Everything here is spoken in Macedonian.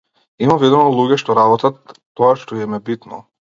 Имам видено луѓе што работат тоа што им е битно.